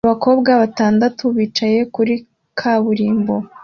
Abakobwa batandatu bicaye kuri kaburimbo